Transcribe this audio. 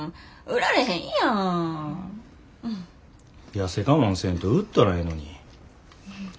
痩せ我慢せんと売ったらええのに。